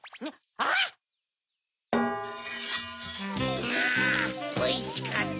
あおいしかった！